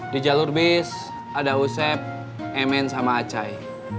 di jalur bis ada husep emen sama acay